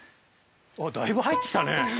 ◆あっ、だいぶ入ってきたね。